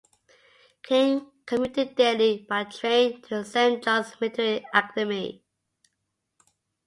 King commuted daily by train to Saint John's Military Academy.